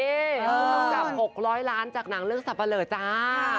ต้องจับอกร้อยล้านจากหนังเรื่องสับปะเลอร์จ้า